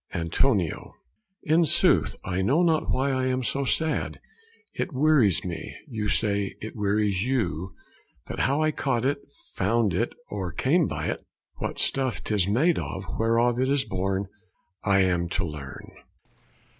ANT. In sooth, I know not why I am so sad: It wearies me; you say it wearies you; But how I caught it, found it, or came by it, What stuff 'tis made of, whereof it is born, I am to learn.